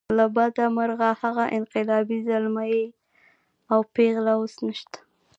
له بده مرغه هغه انقلابي زلمي او پېغلې اوس نشته.